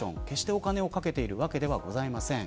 お金をかけているわけでもございません。